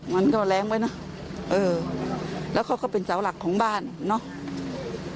มันก็แรงไว้นะเออแล้วเขาก็เป็นเสาหลักของบ้านเนาะ